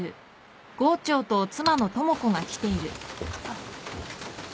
あっ。